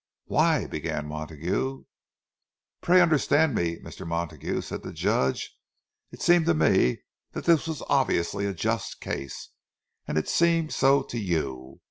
"Why—" began Montague. "Pray understand me, Mr. Montague," said the Judge. "It seemed to me that this was obviously a just case, and it seemed so to you.